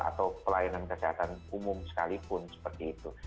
atau pelayanan kesehatan umum sekalipun seperti itu